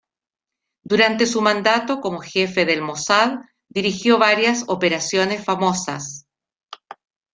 Durante su mandato como jefe del Mosad, dirigió varias operaciones famosas.